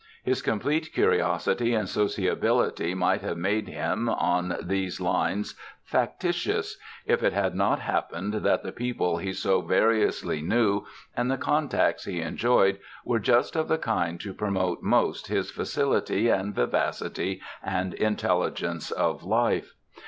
His complete curiosity and sociability might have made him, on these lines, factitious, if it had not happened that the people he so variously knew and the contacts he enjoyed were just of the kind to promote most his facility and vivacity and intelligence of life.